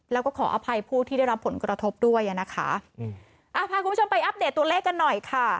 แล้วก็ขออภัยผู้ที่ได้รับผลกระทบด้วยอ่ะนะคะอืมอ่าพาคุณผู้ชมไปอัปเดตตัวเลขกันหน่อยค่ะ